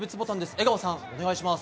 江川さん、お願いします。